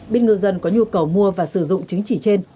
biết ngư dân có nhu cầu mua và sử dụng chứng chỉ trên